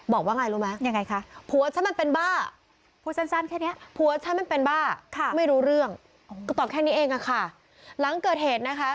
บอกว่าไงรู้ไหมผัวฉันมันเป็นบ้าไม่รู้เรื่องก็ตอบแค่นี้เองค่ะหลังเกิดเหตุนะคะ